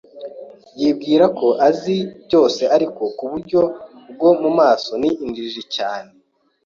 Yibwira ko azi byose ariko, nkuburyo bwo mumaso, ni injiji cyane.